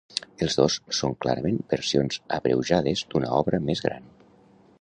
Els dos són clarament versions abreujades d'una obra més gran.